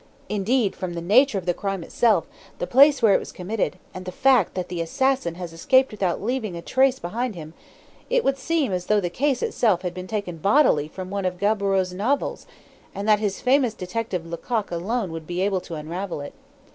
Indeed, from the nature of the crime itself, the place where it was committed, and the fact that the assassin has escaped without leaving a trace behind him, it would seem as though the case itself had been taken bodily from one of Gaboreau's novels, and that his famous detective Lecoq alone would be able to unravel it.